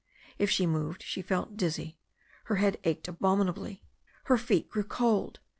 If she moved she felt dizzy. Her head ached abominably, her feet grew cold.